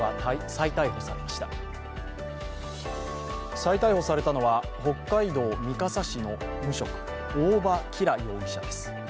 再逮捕されたのは、北海道三笠市の無職、大場綺羅容疑者です。